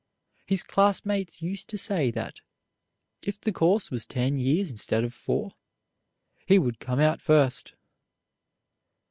His classmates used to say that, if the course was ten years instead of four, he would come out first.